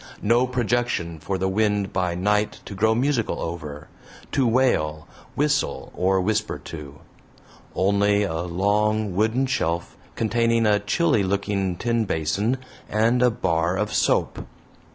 No projection for the wind by night to grow musical over, to wail, whistle, or whisper to; only a long wooden shelf containing a chilly looking tin basin and a bar of soap.